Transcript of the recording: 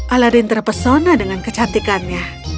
aladin terpesona dengan kecantikannya